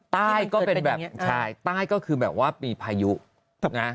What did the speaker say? ก็เป็นแบบใช่ใต้ก็คือแบบว่ามีพายุนะ